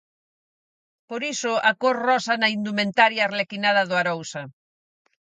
Por iso a cor rosa na indumentaria arlequinada do Arousa.